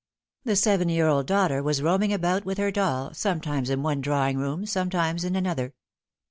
The seven year old daughter was roaming about with her doll, sometimes in one drawing room, sometimes in another.